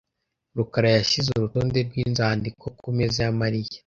rukara yashyize urutonde rwinzandiko kumeza ya Mariya .